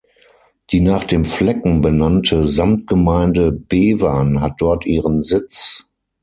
Die nach dem Flecken benannte Samtgemeinde Bevern hat dort ihren Sitz.